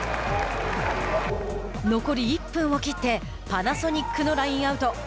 残り１分を切ってパナソニックのラインアウト。